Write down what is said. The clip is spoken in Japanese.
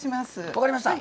分かりました。